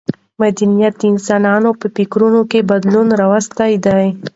مدنیت د انسانانو په فکرونو کې بدلون راوستی دی.